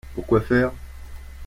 Pour quoi faire ?